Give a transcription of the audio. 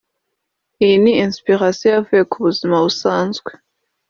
iyi ni inspiration yavuye ku buzima busanzwe